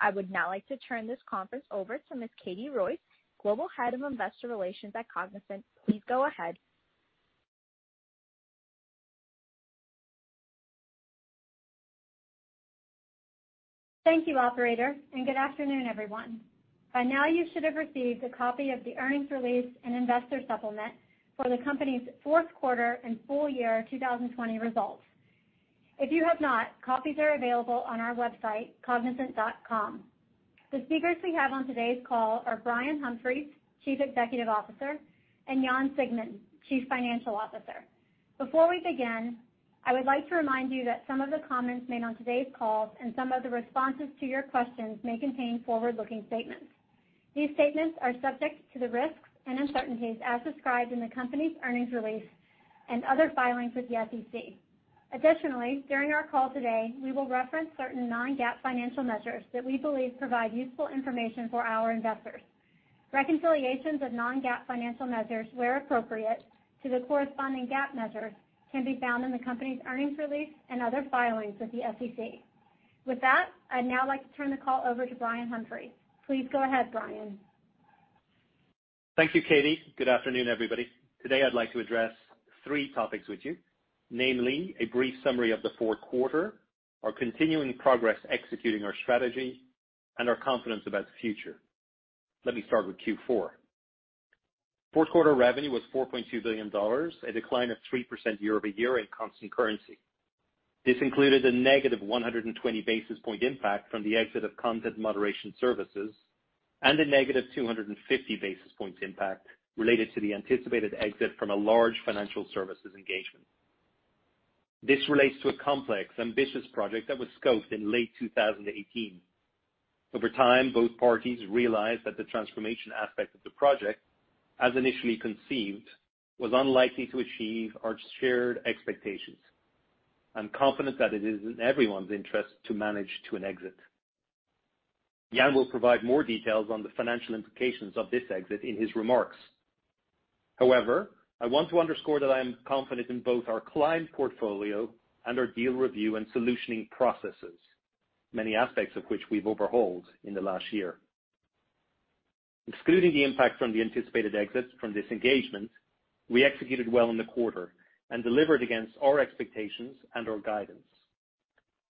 I would now like to turn this conference over to Ms. Katie Royce, Global Head of Investor Relations at Cognizant. Please go ahead. Thank you, operator, and good afternoon, everyone. By now, you should have received a copy of the earnings release and investor supplement for the company's fourth quarter and full year 2020 results. If you have not, copies are available on our website, cognizant.com. The speakers we have on today's call are Brian Humphries, Chief Executive Officer, and Jan Siegmund, Chief Financial Officer. Before we begin, I would like to remind you that some of the comments made on today's call and some of the responses to your questions may contain forward-looking statements. These statements are subject to the risks and uncertainties as described in the company's earnings release and other filings with the SEC. Additionally, during our call today, we will reference certain non-GAAP financial measures that we believe provide useful information for our investors. Reconciliations of non-GAAP financial measures, where appropriate to the corresponding GAAP measures, can be found in the company's earnings release and other filings with the SEC. With that, I'd now like to turn the call over to Brian Humphries. Please go ahead, Brian. Thank you, Katie. Good afternoon, everybody. Today, I'd like to address three topics with you, namely a brief summary of the fourth quarter, our continuing progress executing our strategy, and our confidence about the future. Let me start with Q4. Fourth quarter revenue was $4.2 billion, a decline of 3% year-over-year in constant currency. This included a -120 basis point impact from the exit of content moderation services and a -250 basis points impact related to the anticipated exit from a large financial services engagement. This relates to a complex, ambitious project that was scoped in late 2018. Over time, both parties realized that the transformation aspect of the project, as initially conceived, was unlikely to achieve our shared expectations. I'm confident that it is in everyone's interest to manage to an exit. Jan will provide more details on the financial implications of this exit in his remarks. However, I want to underscore that I am confident in both our client portfolio and our deal review and solutioning processes, many aspects of which we've overhauled in the last year. Excluding the impact from the anticipated exit from this engagement, we executed well in the quarter and delivered against our expectations and our guidance.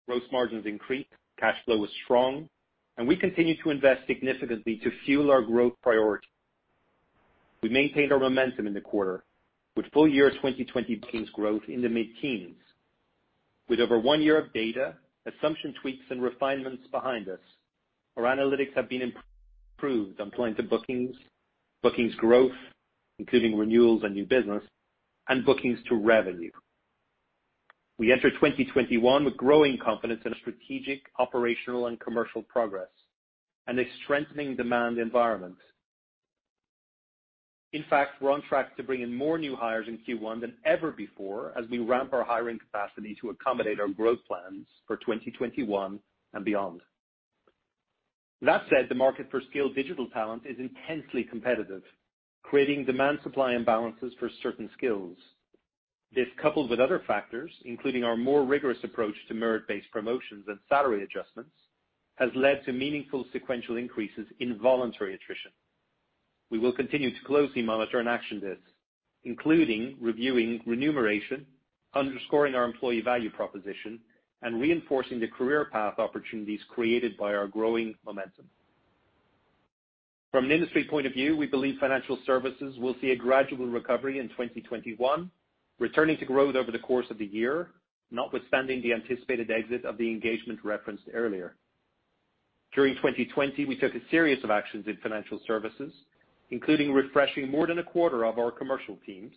Gross margins increased, cash flow was strong, and we continued to invest significantly to fuel our growth priority. We maintained our momentum in the quarter with full year 2020 bookings growth in the mid-teens. With over one year of data, assumption tweaks and refinements behind us, our analytics have been improved on client bookings growth, including renewals and new business, and bookings to revenue. We enter 2021 with growing confidence in strategic, operational, and commercial progress and a strengthening demand environment. In fact, we're on track to bring in more new hires in Q1 than ever before as we ramp our hiring capacity to accommodate our growth plans for 2021 and beyond. That said, the market for skilled digital talent is intensely competitive, creating demand-supply imbalances for certain skills. This, coupled with other factors, including our more rigorous approach to merit-based promotions and salary adjustments, has led to meaningful sequential increases in voluntary attrition. We will continue to closely monitor and action this, including reviewing remuneration, underscoring our employee value proposition, and reinforcing the career path opportunities created by our growing momentum. From an industry point of view, we believe financial services will see a gradual recovery in 2021, returning to growth over the course of the year, notwithstanding the anticipated exit of the engagement referenced earlier. During 2020, we took a series of actions in financial services, including refreshing more than a quarter of our commercial teams,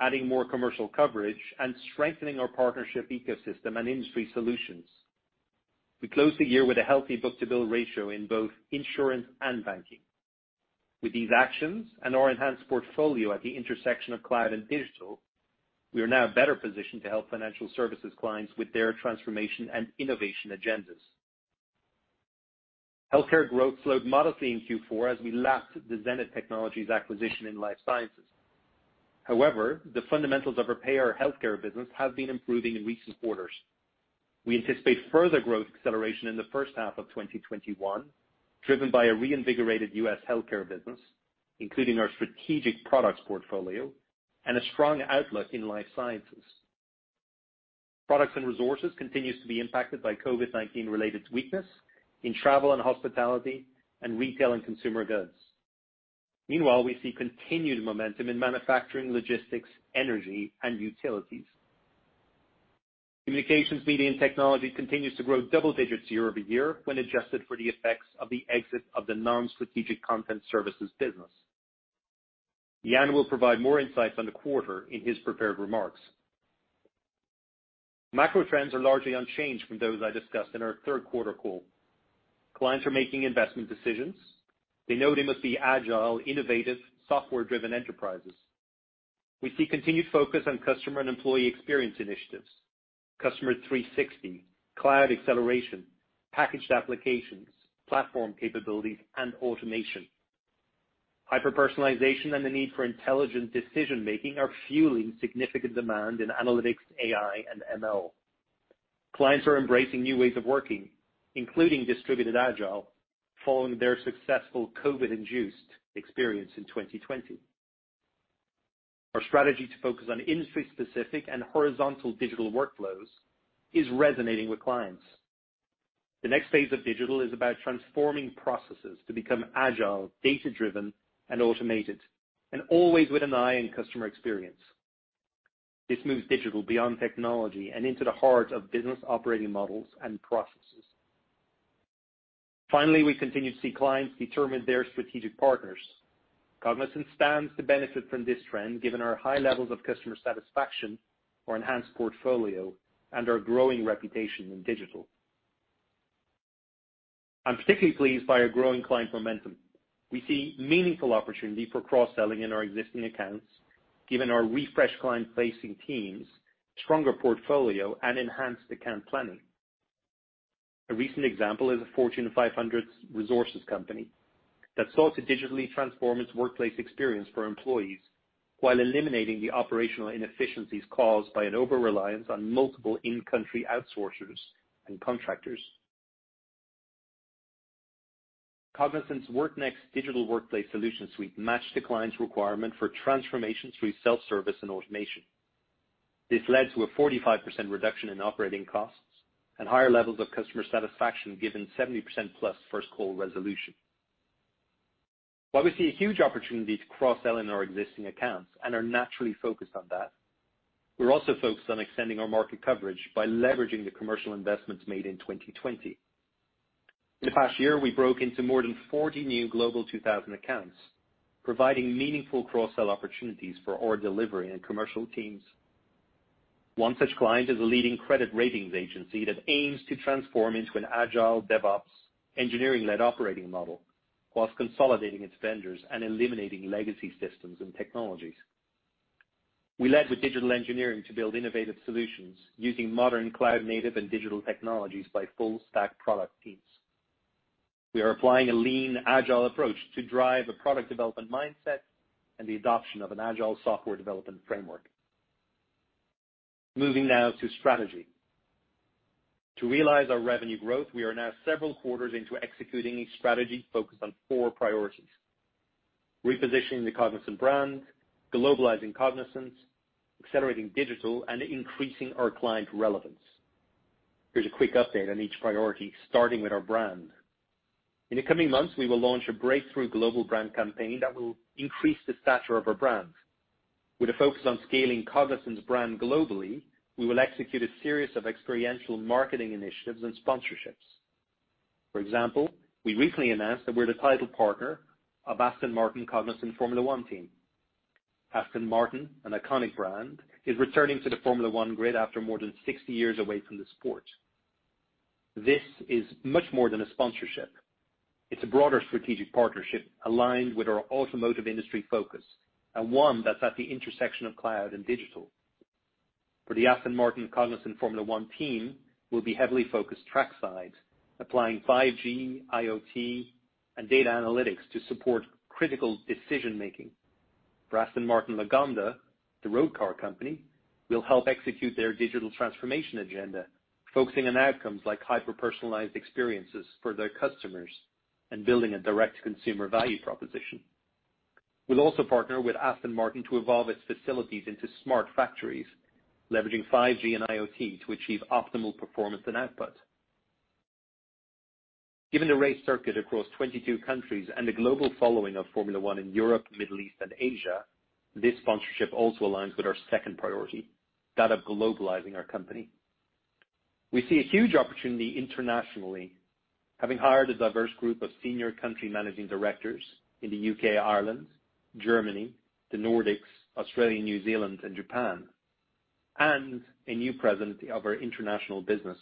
adding more commercial coverage, and strengthening our partnership ecosystem and industry solutions. We closed the year with a healthy book-to-bill ratio in both insurance and banking. With these actions and our enhanced portfolio at the intersection of cloud and digital, we are now better positioned to help financial services clients with their transformation and innovation agendas. Healthcare growth slowed modestly in Q4 as we lapped the Zenith Technologies acquisition in life sciences. However, the fundamentals of our payer healthcare business have been improving in recent quarters. We anticipate further growth acceleration in the first half of 2021, driven by a reinvigorated U.S. healthcare business, including our strategic products portfolio, and a strong outlook in life sciences. Products and resources continues to be impacted by COVID-19 related weakness in travel and hospitality and retail and consumer goods. We see continued momentum in manufacturing, logistics, energy, and utilities. Communications, media, and technology continues to grow double digits year-over-year when adjusted for the effects of the exit of the non-strategic content services business. Jan will provide more insights on the quarter in his prepared remarks. Macro trends are largely unchanged from those I discussed in our third quarter call. Clients are making investment decisions. They know they must be agile, innovative, software-driven enterprises. We see continued focus on customer and employee experience initiatives, Customer 360, cloud acceleration, packaged applications, platform capabilities, and automation. Hyper-personalization and the need for intelligent decision-making are fueling significant demand in analytics, AI, and ML. Clients are embracing new ways of working, including distributed agile, following their successful COVID-induced experience in 2020. Our strategy to focus on industry-specific and horizontal digital workflows is resonating with clients. The next phase of digital is about transforming processes to become agile, data-driven, and automated, and always with an eye on customer experience. This moves digital beyond technology and into the heart of business operating models and processes. Finally, we continue to see clients determine their strategic partners. Cognizant stands to benefit from this trend, given our high levels of customer satisfaction, our enhanced portfolio, and our growing reputation in digital. I'm particularly pleased by our growing client momentum. We see meaningful opportunity for cross-selling in our existing accounts, given our refreshed client-facing teams, stronger portfolio, and enhanced account planning. A recent example is a Fortune 500 resources company that sought to digitally transform its workplace experience for employees while eliminating the operational inefficiencies caused by an over-reliance on multiple in-country outsourcers and contractors. Cognizant's WorkNEXT digital workplace solution suite matched the client's requirement for transformation through self-service and automation. This led to a 45% reduction in operating costs and higher levels of customer satisfaction, given 70%+ first-call resolution. While we see a huge opportunity to cross-sell in our existing accounts and are naturally focused on that, we're also focused on extending our market coverage by leveraging the commercial investments made in 2020. In the past year, we broke into more than 40 new Global 2000 accounts, providing meaningful cross-sell opportunities for our delivery and commercial teams. One such client is a leading credit ratings agency that aims to transform into an agile DevOps engineering-led operating model while consolidating its vendors and eliminating legacy systems and technologies. We led with digital engineering to build innovative solutions using modern cloud-native and digital technologies by full-stack product teams. We are applying a lean, agile approach to drive a product development mindset and the adoption of an agile software development framework. Moving now to strategy. To realize our revenue growth, we are now several quarters into executing a strategy focused on four priorities: repositioning the Cognizant brand, globalizing Cognizant, accelerating digital, and increasing our client relevance. Here's a quick update on each priority, starting with our brand. In the coming months, we will launch a breakthrough global brand campaign that will increase the stature of our brand. With a focus on scaling Cognizant's brand globally, we will execute a series of experiential marketing initiatives and sponsorships. For example, we recently announced that we're the title partner of Aston Martin Cognizant Formula One team. Aston Martin, an iconic brand, is returning to the Formula One grid after more than 60 years away from the sport. This is much more than a sponsorship. It's a broader strategic partnership aligned with our automotive industry focus, and one that's at the intersection of cloud and digital. For the Aston Martin Cognizant Formula One team, we'll be heavily focused trackside, applying 5G, IoT, and data analytics to support critical decision-making. For Aston Martin Lagonda, the road car company, we'll help execute their digital transformation agenda, focusing on outcomes like hyper-personalized experiences for their customers and building a direct-to-consumer value proposition. We'll also partner with Aston Martin to evolve its facilities into smart factories, leveraging 5G and IoT to achieve optimal performance and output. Given the race circuit across 22 countries and the global following of Formula One in Europe, Middle East, and Asia, this sponsorship also aligns with our second priority, that of globalizing our company. We see a huge opportunity internationally. Having hired a diverse group of senior country managing directors in the U.K., Ireland, Germany, the Nordics, Australia, New Zealand, and Japan, and a new president of our international business,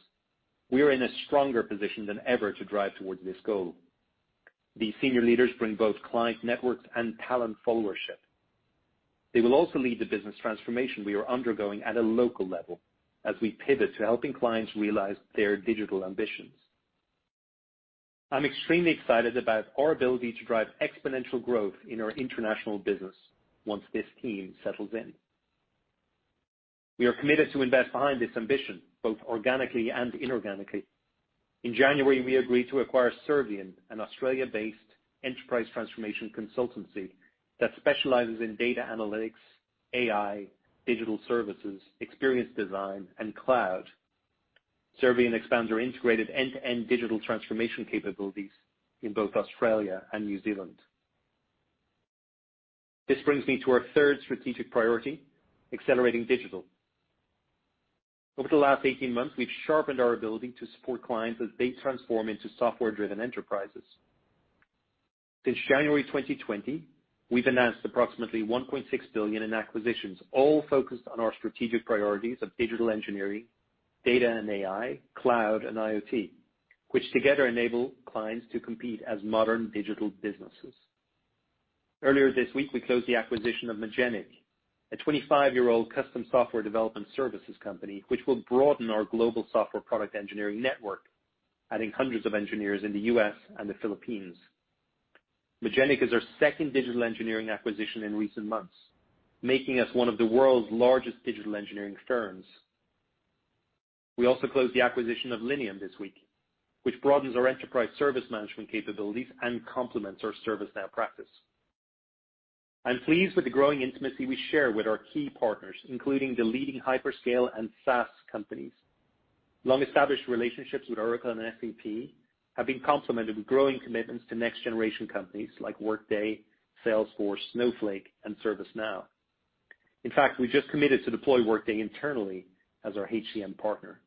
we are in a stronger position than ever to drive towards this goal. These senior leaders bring both client networks and talent followership. They will also lead the business transformation we are undergoing at a local level as we pivot to helping clients realize their digital ambitions. I'm extremely excited about our ability to drive exponential growth in our international business once this team settles in. We are committed to invest behind this ambition, both organically and inorganically. In January, we agreed to acquire Servian, an Australia-based enterprise transformation consultancy that specializes in data analytics, AI, digital services, experience design, and cloud. Servian expands our integrated end-to-end digital transformation capabilities in both Australia and New Zealand. This brings me to our third strategic priority, accelerating digital. Over the last 18 months, we've sharpened our ability to support clients as they transform into software-driven enterprises. Since January 2020, we've announced approximately $1.6 billion in acquisitions, all focused on our strategic priorities of digital engineering, data and AI, cloud and IoT, which together enable clients to compete as modern digital businesses. Earlier this week, we closed the acquisition of Magenic, a 25-year-old custom software development services company, which will broaden our global software product engineering network, adding hundreds of engineers in the U.S. and the Philippines. Magenic is our second digital engineering acquisition in recent months, making us one of the world's largest digital engineering firms. We also closed the acquisition of Linium this week, which broadens our enterprise service management capabilities and complements our ServiceNow practice. I'm pleased with the growing intimacy we share with our key partners, including the leading hyperscale and SaaS companies. Long-established relationships with Oracle and SAP have been complemented with growing commitments to next-generation companies like Workday, Salesforce, Snowflake, and ServiceNow. In fact, we just committed to deploy Workday internally as our HCM partner.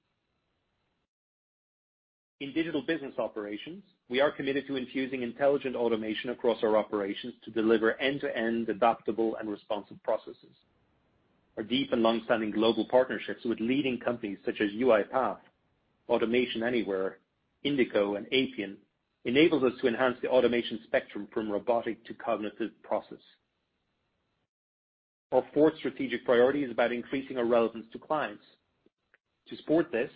In digital business operations, we are committed to infusing intelligent automation across our operations to deliver end-to-end adaptable and responsive processes. Our deep and long-standing global partnerships with leading companies such as UiPath, Automation Anywhere, Indico, and Appian enables us to enhance the automation spectrum from robotic to cognitive process. Our fourth strategic priority is about increasing our relevance to clients. To support this,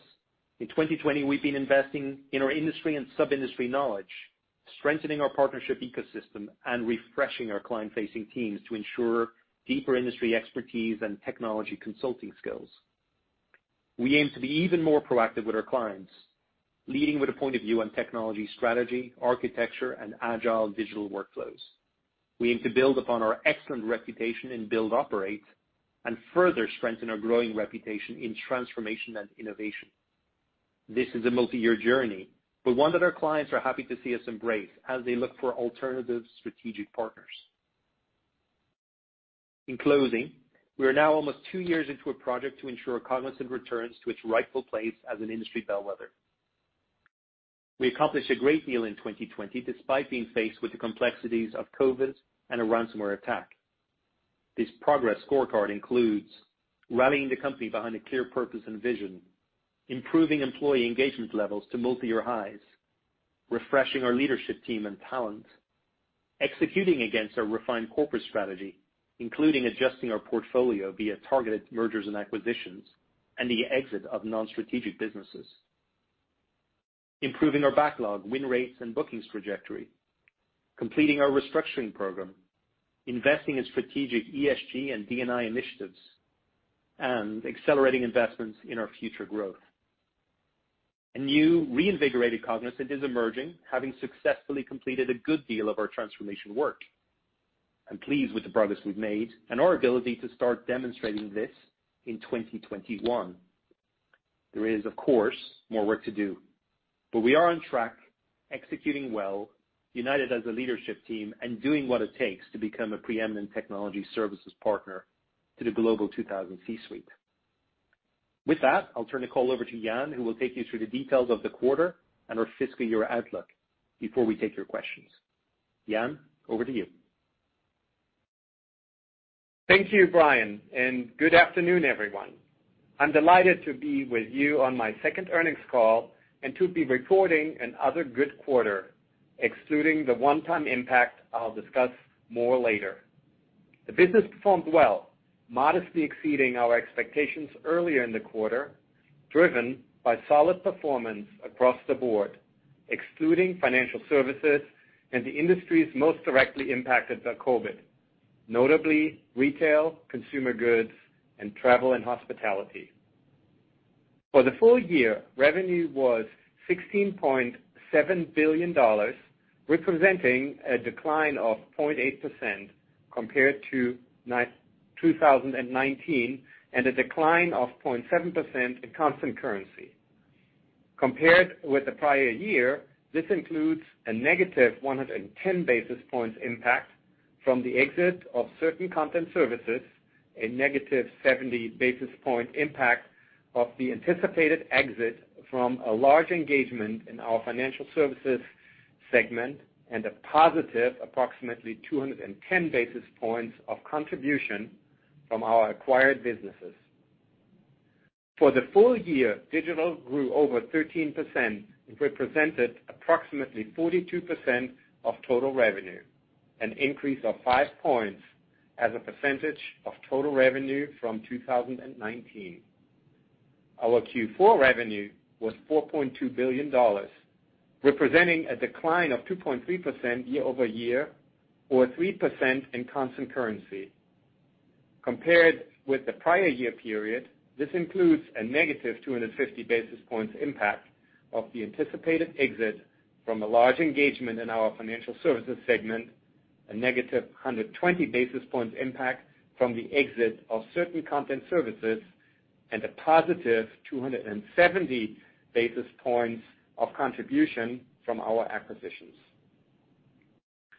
in 2020, we've been investing in our industry and sub-industry knowledge, strengthening our partnership ecosystem, and refreshing our client-facing teams to ensure deeper industry expertise and technology consulting skills. We aim to be even more proactive with our clients, leading with a point of view on technology strategy, architecture, and agile digital workflows. We aim to build upon our excellent reputation in build operate, and further strengthen our growing reputation in transformation and innovation. This is a multi-year journey, but one that our clients are happy to see us embrace as they look for alternative strategic partners. In closing, we are now almost two years into a project to ensure Cognizant returns to its rightful place as an industry bellwether. We accomplished a great deal in 2020, despite being faced with the complexities of COVID and a ransomware attack. This progress scorecard includes rallying the company behind a clear purpose and vision, improving employee engagement levels to multi-year highs, refreshing our leadership team and talent, executing against our refined corporate strategy, including adjusting our portfolio via targeted mergers and acquisitions, and the exit of non-strategic businesses, improving our backlog, win rates, and bookings trajectory, completing our restructuring program, investing in strategic ESG and D&I initiatives, and accelerating investments in our future growth. A new reinvigorated Cognizant is emerging, having successfully completed a good deal of our transformation work. I'm pleased with the progress we've made and our ability to start demonstrating this in 2021. There is, of course, more work to do, but we are on track, executing well, united as a leadership team, and doing what it takes to become a preeminent technology services partner to the Global 2000 C-suite. With that, I'll turn the call over to Jan, who will take you through the details of the quarter and our fiscal year outlook before we take your questions. Jan, over to you. Thank you, Brian. Good afternoon, everyone. I'm delighted to be with you on my second earnings call and to be reporting another good quarter, excluding the one-time impact I'll discuss more later. The business performed well, modestly exceeding our expectations earlier in the quarter, driven by solid performance across the board, excluding financial services and the industries most directly impacted by COVID, notably retail, consumer goods, and travel and hospitality. For the full year, revenue was $16.7 billion, representing a decline of 0.8% compared to 2019 and a decline of 0.7% in constant currency. Compared with the prior year, this includes a negative 110 basis points impact from the exit of certain content services, a negative 70 basis point impact of the anticipated exit from a large engagement in our financial services segment, and a positive approximately 210 basis points of contribution from our acquired businesses. For the full year, digital grew over 13% and represented approximately 42% of total revenue, an increase of five points as a percentage of total revenue from 2019. Our Q4 revenue was $4.2 billion, representing a decline of 2.3% year-over-year or 3% in constant currency. Compared with the prior year period, this includes a -250 basis points impact of the anticipated exit from a large engagement in our financial services segment, a -120 basis points impact from the exit of certain content services, and a +270 basis points of contribution from our acquisitions.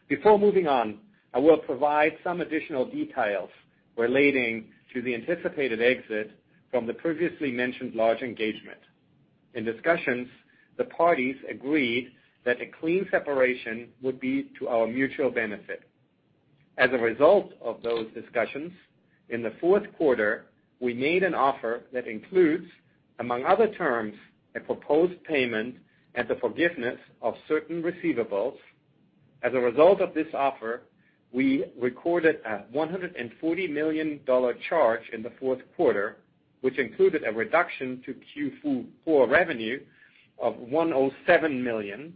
Before moving on, I will provide some additional details relating to the anticipated exit from the previously mentioned large engagement. In discussions, the parties agreed that a clean separation would be to our mutual benefit. As a result of those discussions, in the fourth quarter, we made an offer that includes, among other terms, a proposed payment and the forgiveness of certain receivables. As a result of this offer, we recorded a $140 million charge in the fourth quarter, which included a reduction to Q4 revenue of $107 million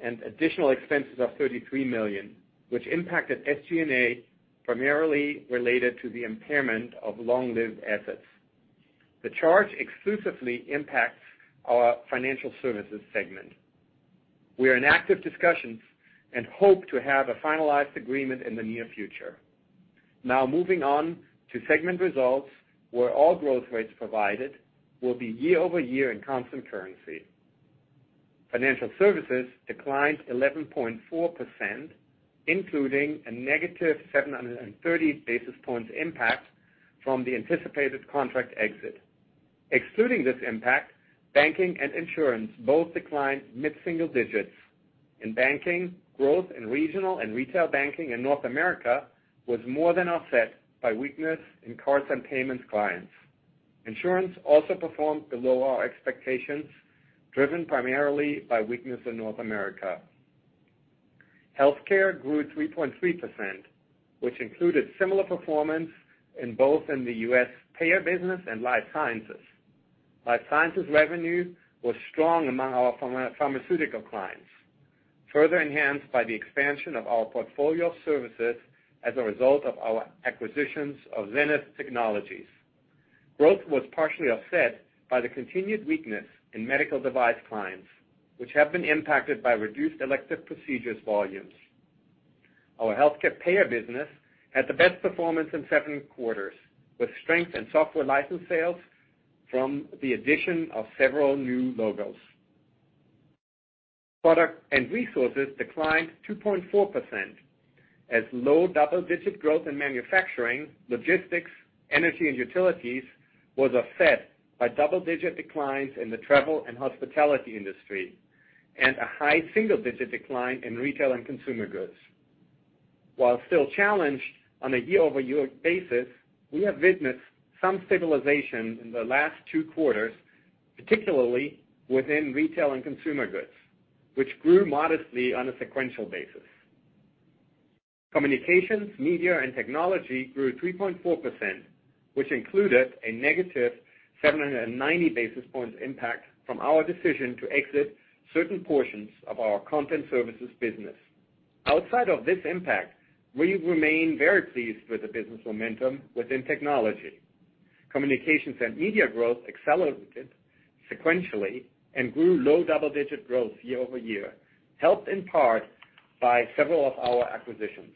and additional expenses of $33 million, which impacted SG&A primarily related to the impairment of long-lived assets. The charge exclusively impacts our Financial Services segment. We are in active discussions and hope to have a finalized agreement in the near future. Now, moving on to segment results, where all growth rates provided will be year over year in constant currency. Financial Services declined 11.4%, including a -730 basis points impact from the anticipated contract exit. Excluding this impact, banking and insurance both declined mid-single digits. In banking, growth in regional and retail banking in North America was more than offset by weakness in cards and payments clients. Insurance also performed below our expectations, driven primarily by weakness in North America. Healthcare grew 3.3%, which included similar performance in both in the U.S. payer business and life sciences. Life sciences revenue was strong among our pharmaceutical clients, further enhanced by the expansion of our portfolio of services as a result of our acquisitions of Zenith Technologies. Growth was partially offset by the continued weakness in medical device clients, which have been impacted by reduced elective procedures volumes. Our healthcare payer business had the best performance in seven quarters, with strength in software license sales from the addition of several new logos. Product and resources declined 2.4%, as low double-digit growth in manufacturing, logistics, energy, and utilities was offset by double-digit declines in the travel and hospitality industry and a high single-digit decline in retail and consumer goods. While still challenged on a year-over-year basis, we have witnessed some stabilization in the last two quarters, particularly within retail and consumer goods, which grew modestly on a sequential basis. Communications, media, and technology grew 3.4%, which included a negative 790 basis points impact from our decision to exit certain portions of our content services business. Outside of this impact, we remain very pleased with the business momentum within technology. Communications and media growth accelerated sequentially and grew low double-digit growth year-over-year, helped in part by several of our acquisitions.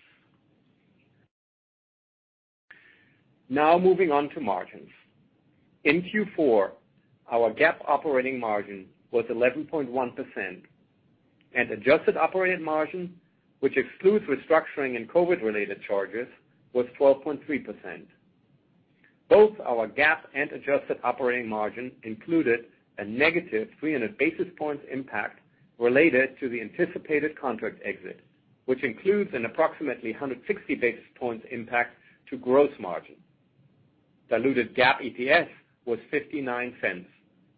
Now, moving on to margins. In Q4, our GAAP operating margin was 11.1% and adjusted operating margin, which excludes restructuring and COVID-related charges, was 12.3%. Both our GAAP and adjusted operating margin included a -300 basis points impact related to the anticipated contract exit, which includes an approximately 160 basis points impact to gross margin. Diluted GAAP EPS was $0.59.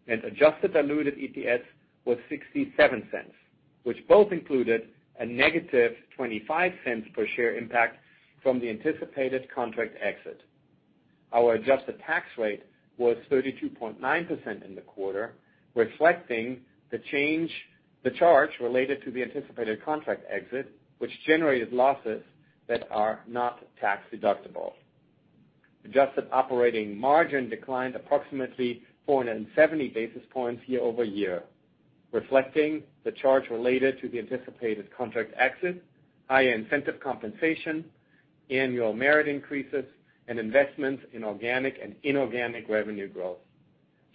Adjusted diluted EPS was $0.67, which both included a -$0.25 per share impact from the anticipated contract exit. Our adjusted tax rate was 32.9% in the quarter, reflecting the charge related to the anticipated contract exit, which generated losses that are not tax-deductible. Adjusted operating margin declined approximately 470 basis points year-over-year, reflecting the charge related to the anticipated contract exit, higher incentive compensation, annual merit increases, and investments in organic and inorganic revenue growth.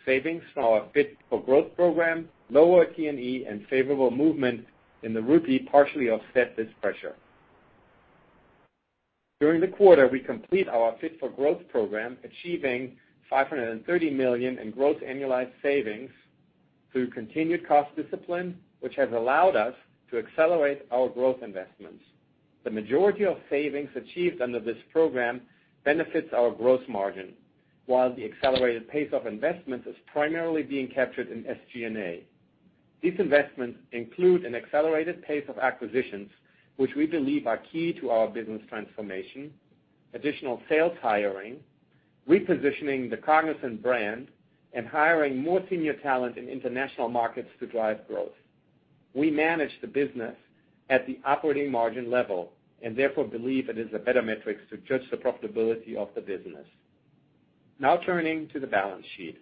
Savings from our Fit for Growth program, lower T&E, and favorable movement in the rupee partially offset this pressure. During the quarter, we completed our Fit for Growth program, achieving $530 million in gross annualized savings through continued cost discipline, which has allowed us to accelerate our growth investments. The majority of savings achieved under this program benefits our gross margin, while the accelerated pace of investments is primarily being captured in SG&A. These investments include an accelerated pace of acquisitions, which we believe are key to our business transformation, additional sales hiring, repositioning the Cognizant brand, and hiring more senior talent in international markets to drive growth. We manage the business at the operating margin level and therefore believe it is a better metric to judge the profitability of the business. Now turning to the balance sheet.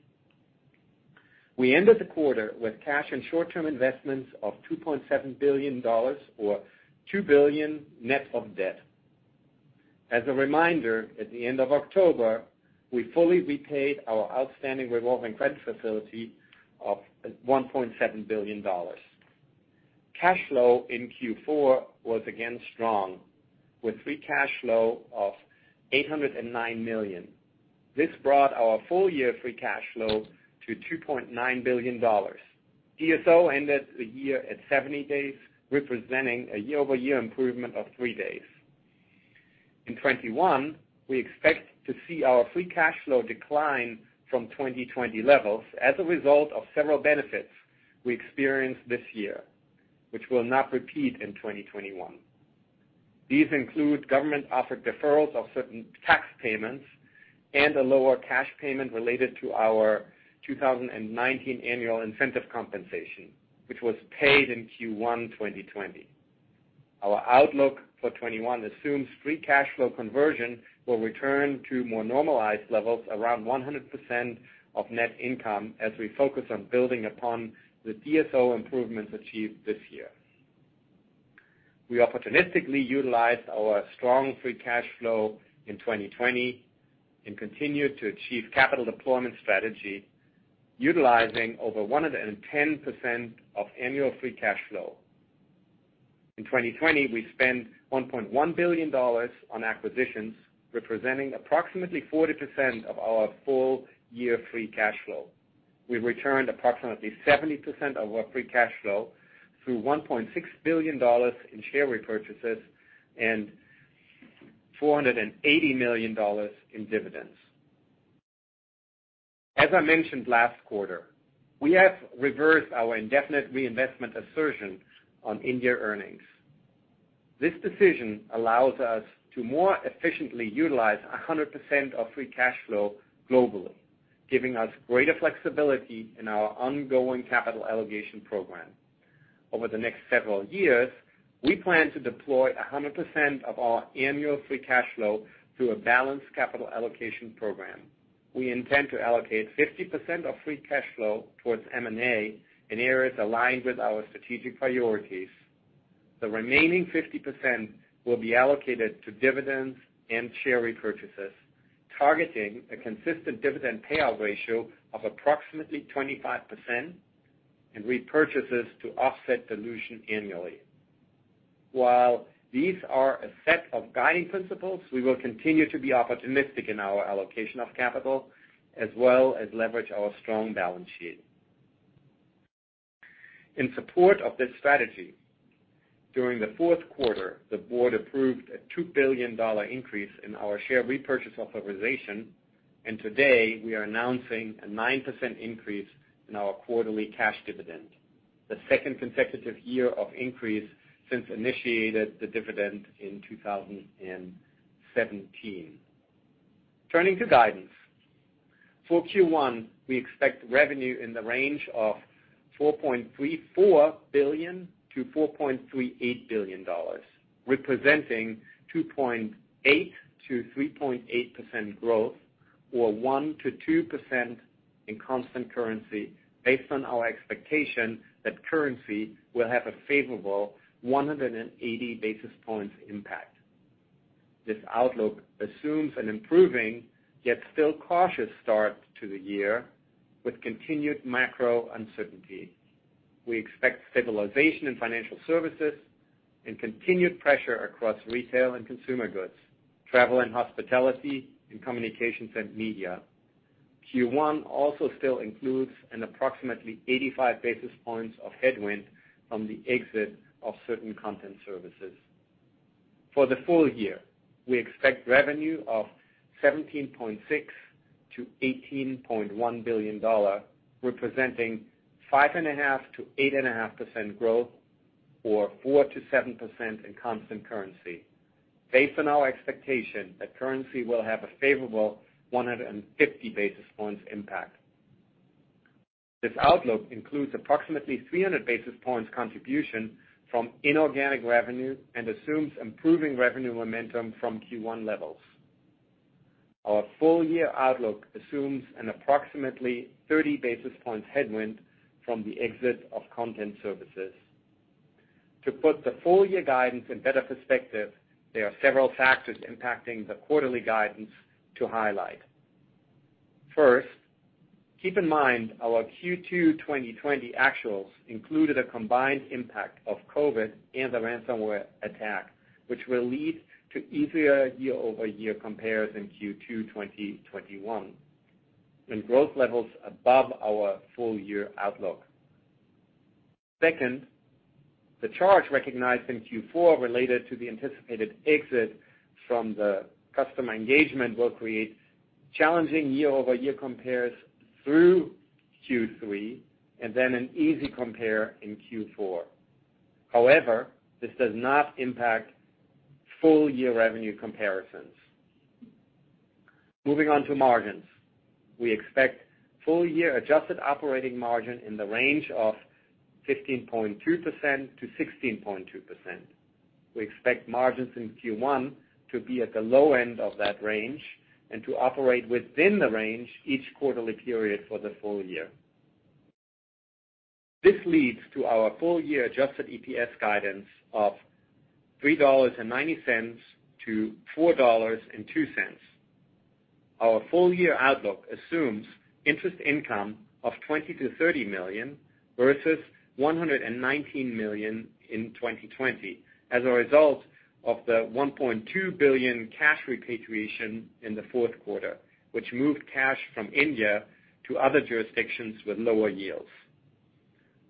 We ended the quarter with cash and short-term investments of $2.7 billion, or $2 billion net of debt. As a reminder, at the end of October, we fully repaid our outstanding revolving credit facility of $1.7 billion. Cash flow in Q4 was again strong, with free cash flow of $809 million. This brought our full-year free cash flow to $2.9 billion. DSO ended the year at 70 days, representing a year-over-year improvement of three days. In 2021, we expect to see our free cash flow decline from 2020 levels as a result of several benefits we experienced this year, which will not repeat in 2021. These include government-offered deferrals of certain tax payments and a lower cash payment related to our 2019 annual incentive compensation, which was paid in Q1 2020. Our outlook for 2021 assumes free cash flow conversion will return to more normalized levels around 100% of net income as we focus on building upon the DSO improvements achieved this year. We opportunistically utilized our strong free cash flow in 2020 and continued to achieve capital deployment strategy utilizing over 110% of annual free cash flow. In 2020, we spent $1.1 billion on acquisitions, representing approximately 40% of our full-year free cash flow. We returned approximately 70% of our free cash flow through $1.6 billion in share repurchases and $480 million in dividends. As I mentioned last quarter, we have reversed our indefinite reinvestment assertion on India earnings. This decision allows us to more efficiently utilize 100% of free cash flow globally, giving us greater flexibility in our ongoing capital allocation program. Over the next several years, we plan to deploy 100% of our annual free cash flow through a balanced capital allocation program. We intend to allocate 50% of free cash flow towards M&A in areas aligned with our strategic priorities. The remaining 50% will be allocated to dividends and share repurchases, targeting a consistent dividend payout ratio of approximately 25% and repurchases to offset dilution annually. While these are a set of guiding principles, we will continue to be opportunistic in our allocation of capital as well as leverage our strong balance sheet. In support of this strategy, during the fourth quarter, the board approved a $2 billion increase in our share repurchase authorization, and today we are announcing a 9% increase in our quarterly cash dividend, the second consecutive year of increase since initiating the dividend in 2017. Turning to guidance. For Q1, we expect revenue in the range of $4.34 billion-$4.38 billion, representing 2.8%-3.8% growth or 1%-2% in constant currency based on our expectation that currency will have a favorable 180 basis points impact. This outlook assumes an improving, yet still cautious start to the year with continued macro uncertainty. We expect stabilization in financial services and continued pressure across retail and consumer goods, travel and hospitality, and communications and media. Q1 also still includes an approximately 85 basis points of headwind from the exit of certain content services. For the full year, we expect revenue of $17.6 billion-$18.1 billion, representing 5.5%-8.5% growth or 4%-7% in constant currency based on our expectation that currency will have a favorable 150 basis points impact. This outlook includes approximately 300 basis points contribution from inorganic revenue and assumes improving revenue momentum from Q1 levels. Our full-year outlook assumes an approximately 30 basis points headwind from the exit of content services. To put the full-year guidance in better perspective, there are several factors impacting the quarterly guidance to highlight. First, keep in mind our Q2 2020 actuals included a combined impact of COVID and the ransomware attack, which will lead to easier year-over-year compares in Q2 2021 and growth levels above our full-year outlook. Second, the charge recognized in Q4 related to the anticipated exit from the customer engagement will create challenging year-over-year compares through Q3 and then an easy compare in Q4. However, this does not impact full-year revenue comparisons. Moving on to margins. We expect full-year adjusted operating margin in the range of 15.2%-16.2%. We expect margins in Q1 to be at the low end of that range and to operate within the range each quarterly period for the full year. This leads to our full-year adjusted EPS guidance of $3.90-$4.02. Our full-year outlook assumes interest income of $20 million-$30 million, versus $119 million in 2020 as a result of the $1.2 billion cash repatriation in the fourth quarter, which moved cash from India to other jurisdictions with lower yields.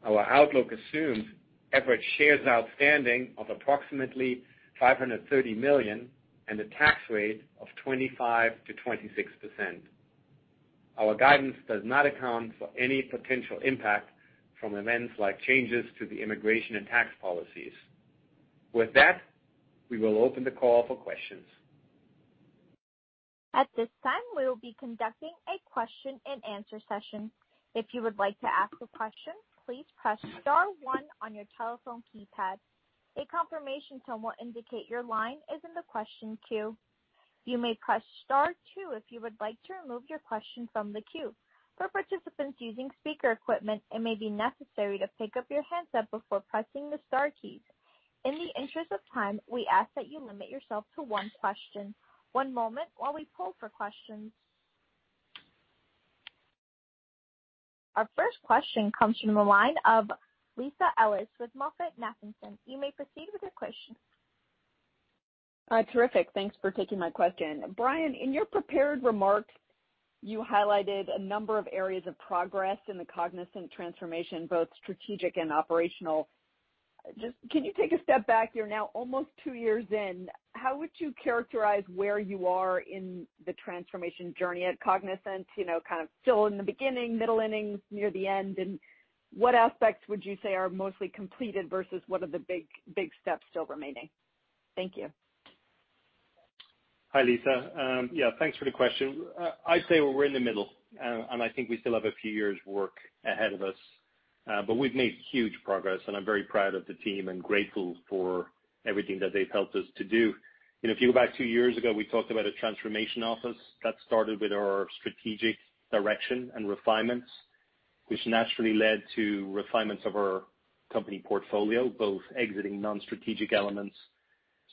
Our outlook assumes average shares outstanding of approximately 530 million and a tax rate of 25%-26%. Our guidance does not account for any potential impact from events like changes to the immigration and tax policies. With that, we will open the call for questions. At this time, we will be conducting a question and answer session. If you would like to ask a question, please press star one on your telephone keypad. A confirmation tone will indicate your line is in the question queue. You may press star two if you would like to remove your question from the queue. For participants using speaker equipment, it may be necessary to pick up your handset before pressing the star keys. In the interest of time, we ask that you limit yourself to one question. One moment while we poll for questions. Our first question comes from the line of Lisa Ellis with MoffettNathanson. You may proceed with your question. Terrific. Thanks for taking my question. Brian, in your prepared remarks, you highlighted a number of areas of progress in the Cognizant transformation, both strategic and operational. Just, can you take a step back? You're now almost two years in. How would you characterize where you are in the transformation journey at Cognizant? Kind of still in the beginning, middle innings, near the end? What aspects would you say are mostly completed versus what are the big steps still remaining? Thank you. Hi, Lisa. Yeah, thanks for the question. I'd say we're in the middle, and I think we still have a few years' work ahead of us. We've made huge progress, and I'm very proud of the team and grateful for everything that they've helped us to do. If you go back two years ago, we talked about a transformation office that started with our strategic direction and refinements, which naturally led to refinements of our company portfolio, both exiting non-strategic elements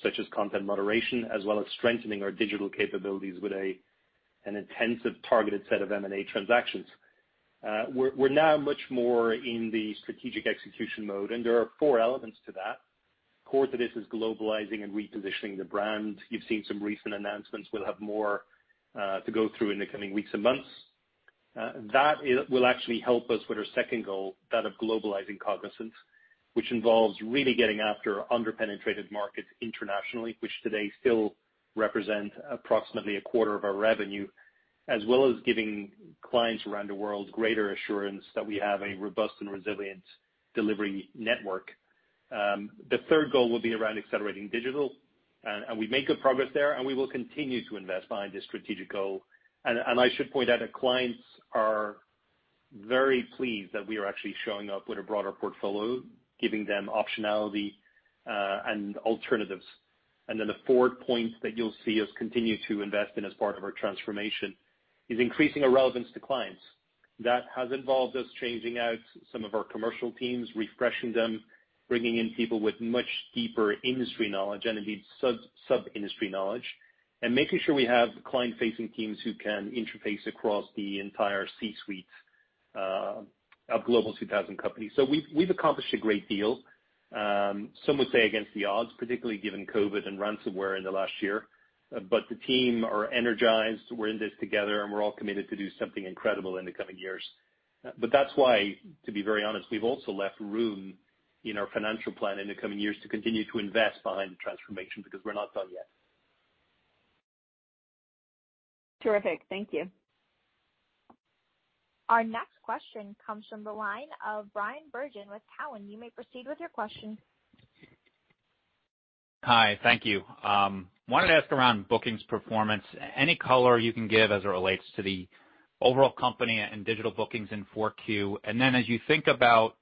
such as content moderation, as well as strengthening our digital capabilities with an intensive targeted set of M&A transactions. We're now much more in the strategic execution mode, and there are four elements to that. Core to this is globalizing and repositioning the brand. You've seen some recent announcements. We'll have more to go through in the coming weeks and months. That will actually help us with our second goal, that of globalizing Cognizant, which involves really getting after under-penetrated markets internationally, which today still represent approximately a quarter of our revenue, as well as giving clients around the world greater assurance that we have a robust and resilient delivery network. The third goal will be around accelerating digital, and we made good progress there, and we will continue to invest behind this strategic goal. I should point out that clients are very pleased that we are actually showing up with a broader portfolio, giving them optionality and alternatives. The fourth point that you'll see us continue to invest in as part of our transformation is increasing our relevance to clients. That has involved us changing out some of our commercial teams, refreshing them, bringing in people with much deeper industry knowledge and indeed sub-industry knowledge, and making sure we have client-facing teams who can interface across the entire C-suites of Global 2000 companies. We've accomplished a great deal, some would say against the odds, particularly given COVID and ransomware in the last year. The team are energized. We're in this together, and we're all committed to do something incredible in the coming years. That's why, to be very honest, we've also left room in our financial plan in the coming years to continue to invest behind the transformation because we're not done yet. Terrific. Thank you. Our next question comes from the line of Bryan Bergin with Cowen. You may proceed with your question. Hi. Thank you. Wanted to ask around bookings performance. Any color you can give as it relates to the overall company and digital bookings in 4Q? As you think about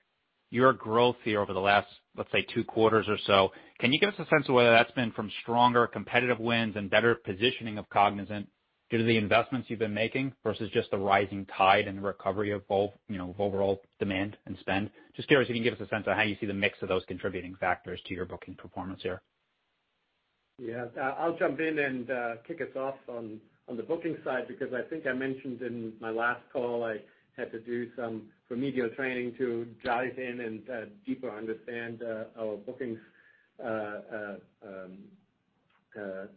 your growth here over the last, let's say, two quarters or so, can you give us a sense of whether that's been from stronger competitive wins and better positioning of Cognizant due to the investments you've been making versus just the rising tide and recovery of overall demand and spend? Just curious if you can give us a sense of how you see the mix of those contributing factors to your booking performance here. Yeah. I'll jump in and kick us off on the bookings side because I think I mentioned in my last call I had to do some remedial training to dive in and deeper understand our bookings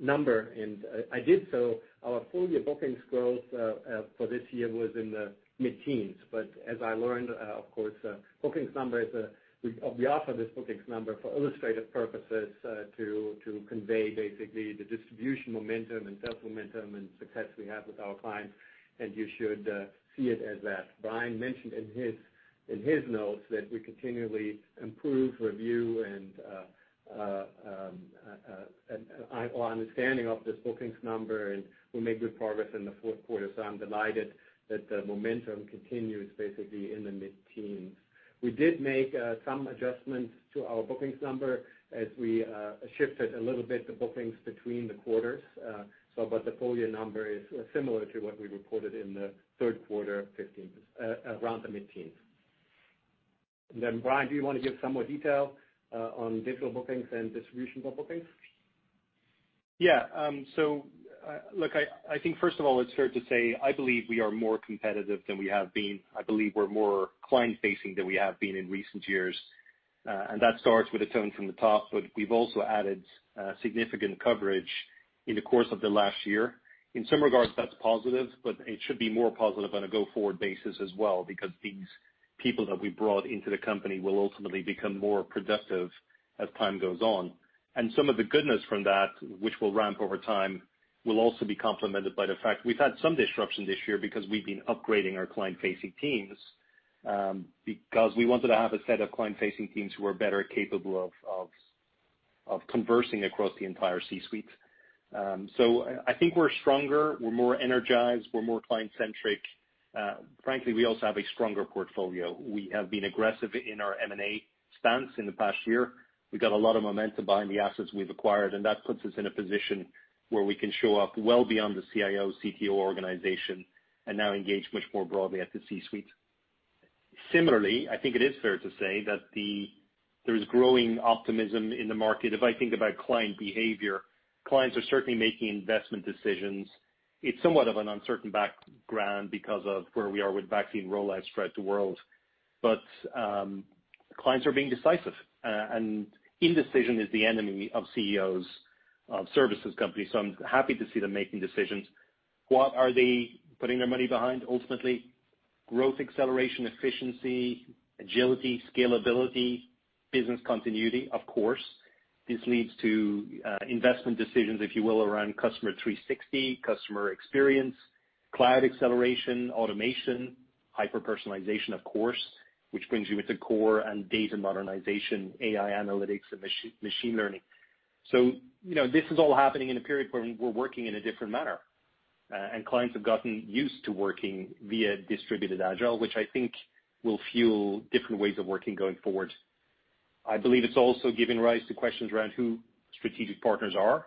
number, and I did so. Our full-year bookings growth for this year was in the mid-teens. As I learned, of course, we offer this bookings number for illustrative purposes to convey basically the distribution momentum and sales momentum and success we have with our clients, and you should see it as that. Brian mentioned in his notes that we continually improve, review our understanding of this bookings number, and we made good progress in the fourth quarter. I'm delighted that the momentum continues basically in the mid-teens. We did make some adjustments to our bookings number as we shifted a little bit the bookings between the quarters. The full-year number is similar to what we reported in the third quarter, around the mid-teens. Brian, do you want to give some more detail on digital bookings and distributions of bookings? Yeah. Look, I think first of all, it's fair to say I believe we are more competitive than we have been. I believe we're more client-facing than we have been in recent years, that starts with a tone from the top, we've also added significant coverage in the course of the last year. In some regards, that's positive, it should be more positive on a go-forward basis as well, because these people that we brought into the company will ultimately become more productive as time goes on. Some of the goodness from that, which will ramp over time, will also be complemented by the fact we've had some disruption this year because we've been upgrading our client-facing teams, because we wanted to have a set of client-facing teams who are better capable of conversing across the entire C-suite. I think we're stronger, we're more energized, we're more client-centric. Frankly, we also have a stronger portfolio. We have been aggressive in our M&A stance in the past year. We've got a lot of momentum behind the assets we've acquired, and that puts us in a position where we can show up well beyond the CIO, CTO organization and now engage much more broadly at the C-suite. Similarly, I think it is fair to say that there is growing optimism in the market. If I think about client behavior, clients are certainly making investment decisions. It's somewhat of an uncertain background because of where we are with vaccine rollouts throughout the world. Clients are being decisive, and indecision is the enemy of CEOs of services companies, so I'm happy to see them making decisions. What are they putting their money behind? Ultimately, growth acceleration, efficiency, agility, scalability, business continuity, of course. This leads to investment decisions, if you will, around Customer 360, customer experience, cloud acceleration, automation, hyper-personalization, of course, which brings you into core and data modernization, AI analytics, and machine learning. This is all happening in a period when we're working in a different manner. Clients have gotten used to working via distributed agile, which I think will fuel different ways of working going forward. I believe it's also giving rise to questions around who strategic partners are,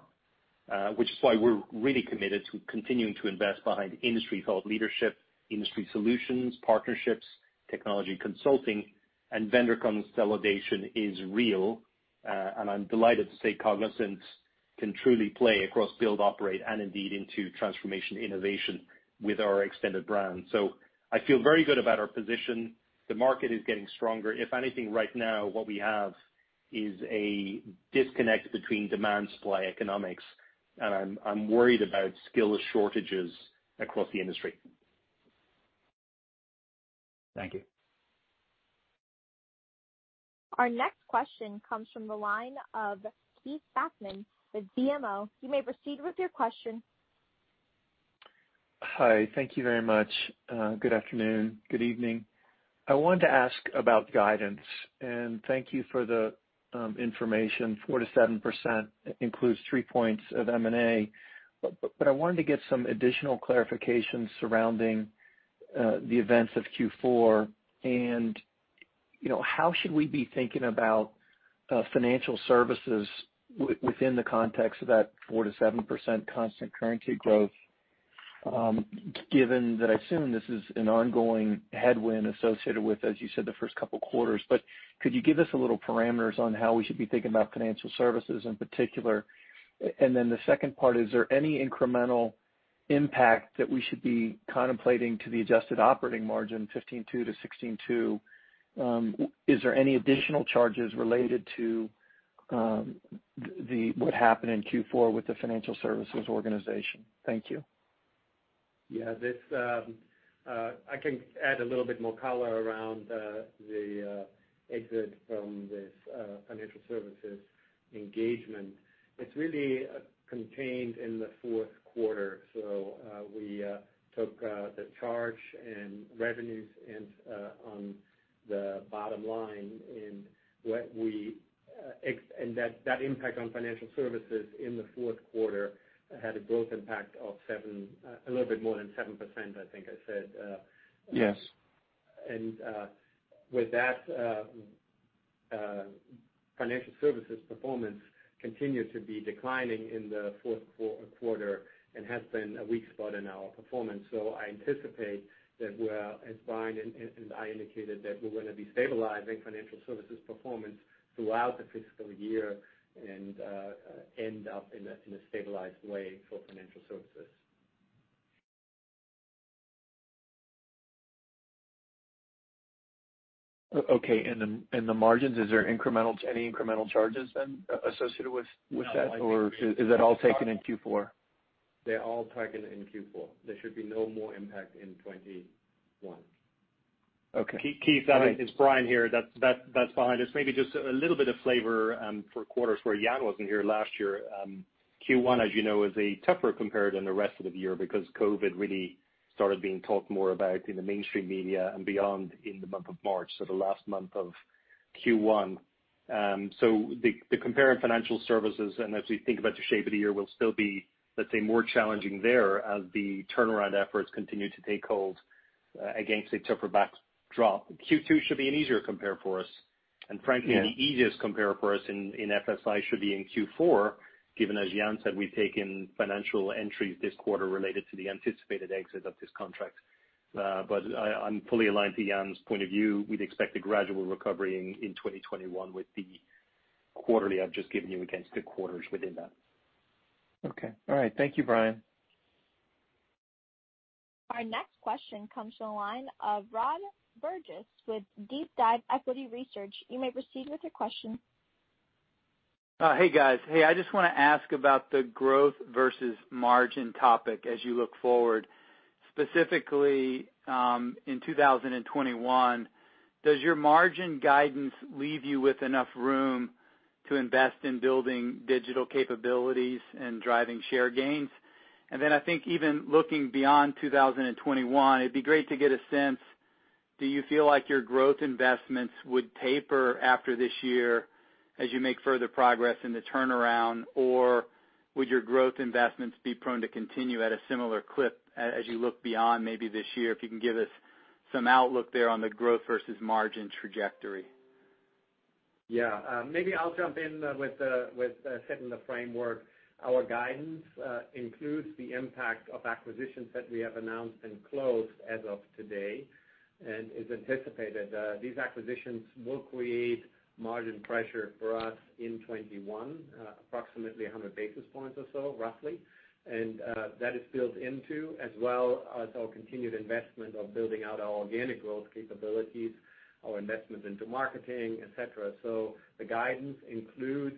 which is why we're really committed to continuing to invest behind industry-thought leadership, industry solutions, partnerships, technology consulting, and vendor consolidation is real. I'm delighted to say Cognizant can truly play across build, operate, and indeed into transformation innovation with our extended brand. I feel very good about our position. The market is getting stronger. If anything, right now what we have is a disconnect between demand-supply economics, and I'm worried about skill shortages across the industry. Thank you. Our next question comes from the line of Keith Bachman with BMO. You may proceed with your question. Hi. Thank you very much. Good afternoon. Good evening. I wanted to ask about guidance, and thank you for the information, 4%-7% includes three points of M&A. I wanted to get some additional clarification surrounding the events of Q4 and how should we be thinking about financial services within the context of that 4%-7% constant currency growth, given that I assume this is an ongoing headwind associated with, as you said, the first couple quarters. Could you give us a little parameters on how we should be thinking about financial services in particular? Then the second part, is there any incremental impact that we should be contemplating to the adjusted operating margin 15.2%-16.2%? Is there any additional charges related to what happened in Q4 with the financial services organization? Thank you. I can add a little bit more color around the exit from this financial services engagement. It's really contained in the fourth quarter. We took the charge and revenues on the bottom line, and that impact on financial services in the fourth quarter had a growth impact of a little bit more than 7%, I think I said. Yes. With that, financial services performance continued to be declining in the fourth quarter and has been a weak spot in our performance. I anticipate that, as Brian and I indicated, we're going to be stabilizing financial services performance throughout the fiscal year and end up in a stabilized way for financial services. Okay. The margins, is there any incremental charges then associated with that? No. Is that all taken in Q4? They're all taken in Q4. There should be no more impact in 2021. Okay. Keith, it's Brian here. That's fine. Just maybe a little bit of flavor for quarters where Jan wasn't here last year. Q1, as you know, is a tougher compare than the rest of the year because COVID-19 really started being talked more about in the mainstream media and beyond in the month of March. The last month of Q1. The compare in financial services, and as we think about the shape of the year, will still be, let's say, more challenging there as the turnaround efforts continue to take hold against a tougher backdrop. Q2 should be an easier compare for us. Frankly, the easiest compare for us in FSI should be in Q4, given, as Jan said, we've taken financial entries this quarter related to the anticipated exit of this contract. I'm fully aligned to Jan's point of view. We'd expect a gradual recovery in 2021 with the quarterly I've just given you against the quarters within that. Okay. All right. Thank you, Brian. Our next question comes from the line of Rod Bourgeois with DeepDive Equity Research. You may proceed with your question. Hey, guys. Hey, I just want to ask about the growth versus margin topic as you look forward, specifically, in 2021. Does your margin guidance leave you with enough room to invest in building digital capabilities and driving share gains? I think even looking beyond 2021, it'd be great to get a sense, do you feel like your growth investments would taper after this year as you make further progress in the turnaround? Or would your growth investments be prone to continue at a similar clip as you look beyond maybe this year? If you can give us some outlook there on the growth versus margin trajectory. Yeah. Maybe I'll jump in with setting the framework. Our guidance includes the impact of acquisitions that we have announced and closed as of today, and is anticipated. These acquisitions will create margin pressure for us in 2021, approximately 100 basis points or so, roughly. That is built into as well as our continued investment of building out our organic growth capabilities, our investment into marketing, et cetera. The guidance includes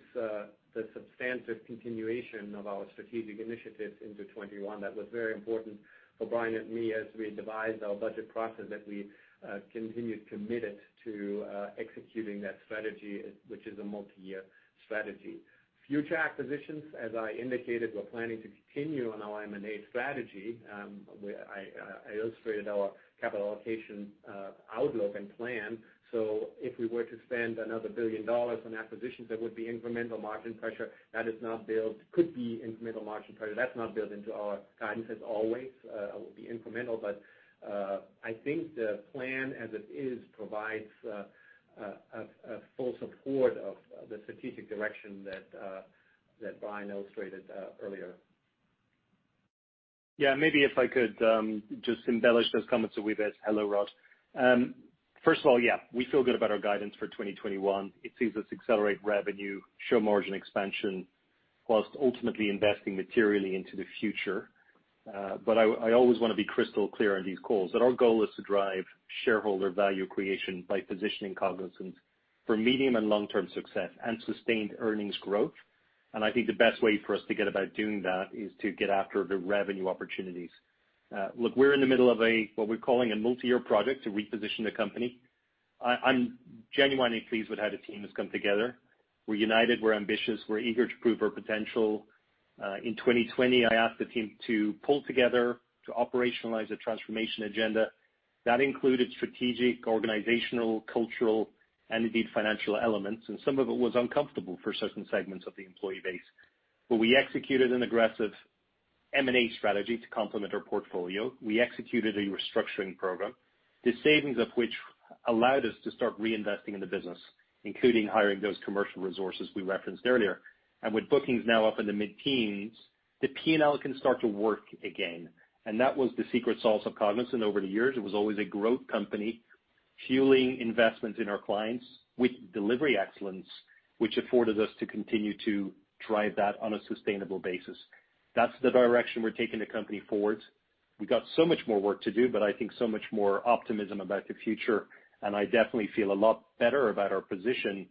the substantive continuation of our strategic initiatives into 2021. That was very important for Brian and me as we devised our budget process, that we continued committed to executing that strategy, which is a multi-year strategy. Future acquisitions, as I indicated, we're planning to continue on our M&A strategy, where I illustrated our capital allocation outlook and plan. If we were to spend another $1 billion on acquisitions, that would be incremental margin pressure. That is not built, could be incremental margin pressure. That's not built into our guidance, as always. It will be incremental. I think the plan as it is provides a full support of the strategic direction that Brian illustrated earlier. Yeah, maybe if I could just embellish those comments a wee bit. Hello, Rod. First of all, we feel good about our guidance for 2021. It sees us accelerate revenue, show margin expansion, whilst ultimately investing materially into the future. I always want to be crystal clear on these calls that our goal is to drive shareholder value creation by positioning Cognizant for medium and long-term success and sustained earnings growth. I think the best way for us to go about doing that is to get after the revenue opportunities. Look, we're in the middle of what we're calling a multi-year project to reposition the company. I'm genuinely pleased with how the team has come together. We're united, we're ambitious, we're eager to prove our potential. In 2020, I asked the team to pull together to operationalize a transformation agenda. That included strategic, organizational, cultural, and indeed, financial elements. Some of it was uncomfortable for certain segments of the employee base. We executed an aggressive M&A strategy to complement our portfolio. We executed a restructuring program, the savings of which allowed us to start reinvesting in the business, including hiring those commercial resources we referenced earlier. With bookings now up in the mid-teens, the P&L can start to work again. That was the secret sauce of Cognizant over the years. It was always a growth company, fueling investment in our clients with delivery excellence, which afforded us to continue to drive that on a sustainable basis. That's the direction we're taking the company forward. We got so much more work to do, but I think so much more optimism about the future, and I definitely feel a lot better about our position,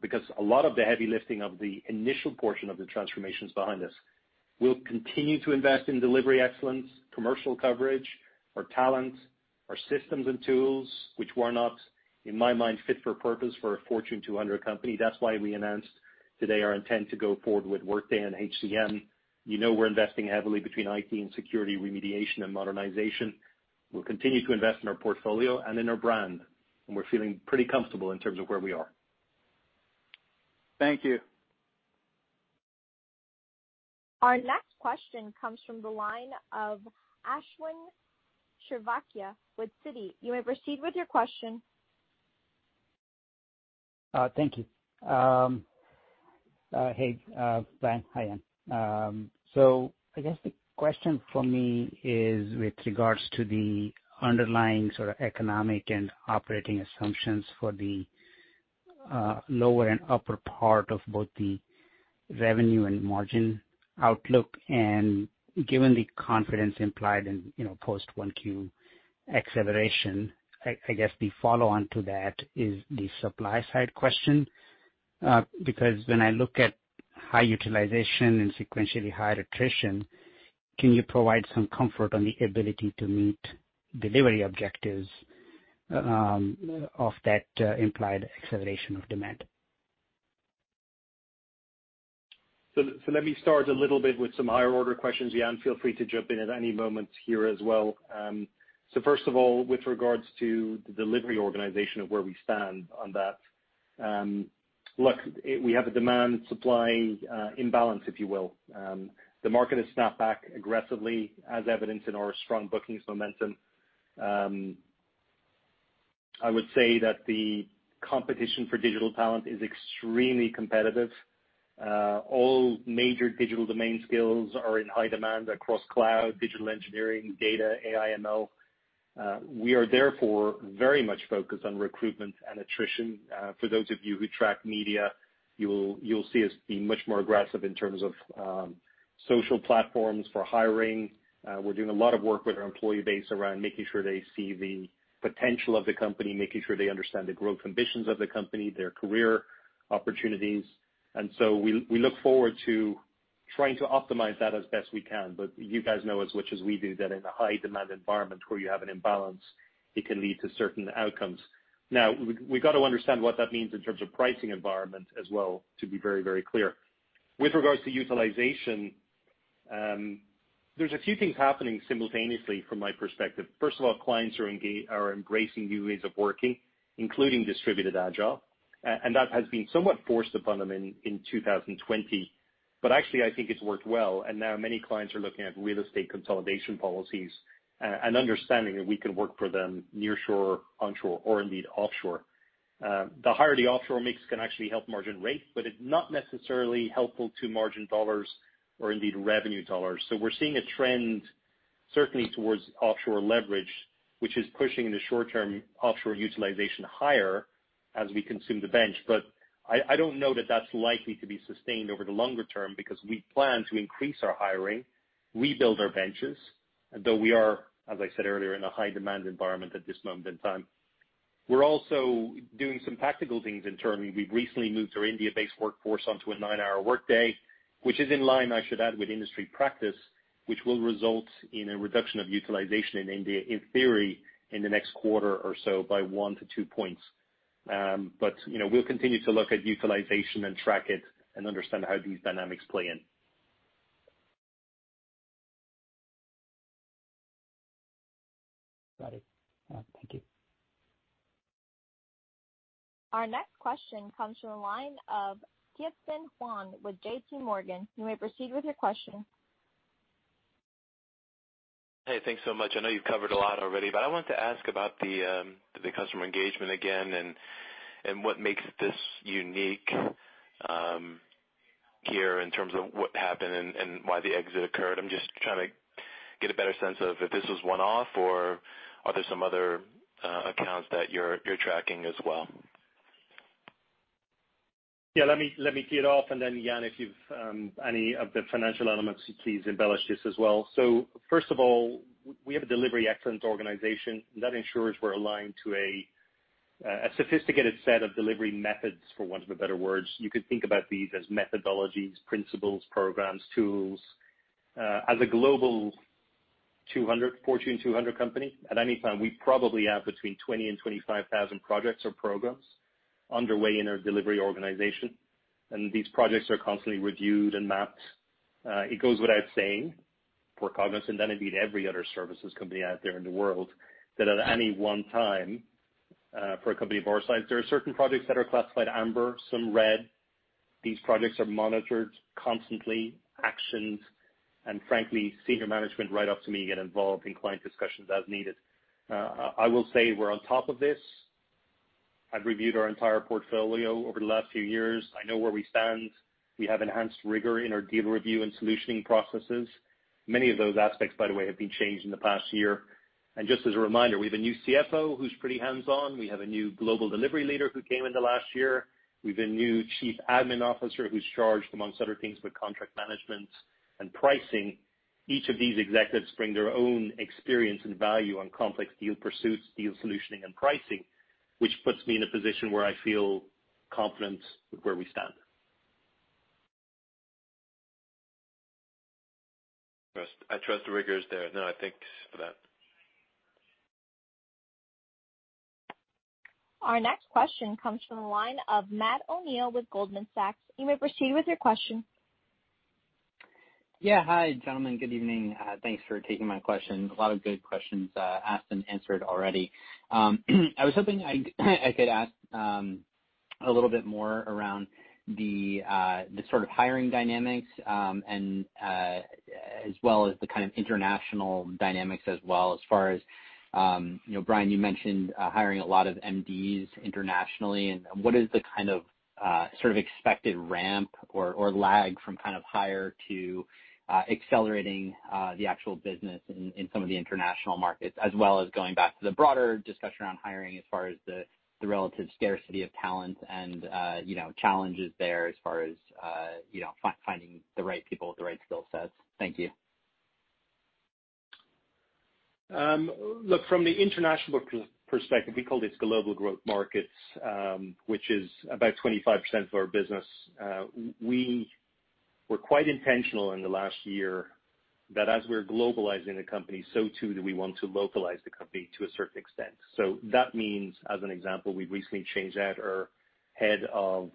because a lot of the heavy lifting of the initial portion of the transformation is behind us. We'll continue to invest in delivery excellence, commercial coverage, our talent, our systems and tools, which were not, in my mind, fit for purpose for a Fortune 200 company. That's why we announced today our intent to go forward with Workday and HCM. You know we're investing heavily between IT and security remediation and modernization. We'll continue to invest in our portfolio and in our brand, and we're feeling pretty comfortable in terms of where we are. Thank you. Our next question comes from the line of Ashwin Shirvaikar with Citi. You may proceed with your question. Thank you. Hey, Brian. Hi, Jan. I guess the question from me is with regards to the underlying sort of economic and operating assumptions for the lower and upper part of both the revenue and margin outlook. Given the confidence implied in post-1Q acceleration, I guess the follow-on to that is the supply side question. When I look at high utilization and sequentially higher attrition, can you provide some comfort on the ability to meet delivery objectives of that implied acceleration of demand? Let me start a little bit with some higher-order questions. Jan, feel free to jump in at any moment here as well. First of all, with regards to the delivery organization of where we stand on that. Look, we have a demand-supply imbalance, if you will. The market has snapped back aggressively as evidenced in our strong bookings momentum. I would say that the competition for digital talent is extremely competitive. All major digital domain skills are in high demand across cloud, digital engineering, data, AI, ML. We are therefore very much focused on recruitment and attrition. For those of you who track media, you'll see us being much more aggressive in terms of social platforms for hiring. We're doing a lot of work with our employee base around making sure they see the potential of the company, making sure they understand the growth ambitions of the company, their career opportunities. We look forward to trying to optimize that as best we can. You guys know as much as we do that in a high-demand environment where you have an imbalance, it can lead to certain outcomes. Now, we've got to understand what that means in terms of pricing environment as well, to be very clear. With regards to utilization, there's a few things happening simultaneously from my perspective. First of all, clients are embracing new ways of working, including distributed agile, and that has been somewhat forced upon them in 2020. Actually, I think it's worked well. Now many clients are looking at real estate consolidation policies and understanding that we can work for them nearshore, onshore or indeed offshore. The higher the offshore mix can actually help margin rate, but it's not necessarily helpful to margin dollars or indeed revenue dollars. We're seeing a trend certainly towards offshore leverage, which is pushing the short-term offshore utilization higher as we consume the bench. I don't know that that's likely to be sustained over the longer term because we plan to increase our hiring, rebuild our benches. Though we are, as I said earlier, in a high-demand environment at this moment in time. We're also doing some tactical things internally. We've recently moved our India-based workforce onto a nine-hour workday, which is in line, I should add, with industry practice, which will result in a reduction of utilization in India, in theory, in the next quarter or so by one to two points. We'll continue to look at utilization and track it and understand how these dynamics play in. Got it. Thank you. Our next question comes from the line of Tien-Tsin Huang with JPMorgan. You may proceed with your question. Hey, thanks so much. I know you've covered a lot already, but I wanted to ask about the customer engagement again and what makes this unique here in terms of what happened and why the exit occurred. I'm just trying to get a better sense of if this was one-off or are there some other accounts that you're tracking as well? Let me kick off and then, Jan, if you've any of the financial elements, please embellish this as well. First of all, we have a delivery excellence organization that ensures we're aligned to a sophisticated set of delivery methods, for want of a better word. You could think about these as methodologies, principles, programs, tools. As a Global Fortune 200 company, at any time, we probably have between 20 and 25,000 projects or programs underway in our delivery organization, and these projects are constantly reviewed and mapped. It goes without saying for Cognizant and indeed every other services company out there in the world that at any one time, for a company of our size, there are certain projects that are classified amber, some red. These projects are monitored constantly, actioned, and frankly, senior management right up to me get involved in client discussions as needed. I will say we're on top of this. I've reviewed our entire portfolio over the last few years. I know where we stand. We have enhanced rigor in our deal review and solutioning processes. Many of those aspects, by the way, have been changed in the past year. Just as a reminder, we have a new CFO who's pretty hands-on. We have a new global delivery leader who came in the last year. We have a new Chief Admin Officer who's charged, amongst other things, with contract management and pricing. Each of these executives bring their own experience and value on complex deal pursuits, deal solutioning, and pricing, which puts me in a position where I feel confident with where we stand. I trust the rigor is there. No, I think for that. Our next question comes from the line of Matt O'Neill with Goldman Sachs. You may proceed with your question. Yeah. Hi, gentlemen. Good evening. Thanks for taking my question. A lot of good questions asked and answered already. I was hoping I could ask a little bit more around the sort of hiring dynamics, as well as the kind of international dynamics as well as far as Brian, you mentioned hiring a lot of MDs internationally. What is the kind of sort of expected ramp or lag from kind of hire to accelerating the actual business in some of the international markets? As well as going back to the broader discussion around hiring as far as the relative scarcity of talent and challenges there as far as finding the right people with the right skill sets. Thank you. Look, from the international perspective, we call this Global Growth Markets, which is about 25% of our business. We were quite intentional in the last year that as we're globalizing the company, so too do we want to localize the company to a certain extent. That means, as an example, we've recently changed out our head of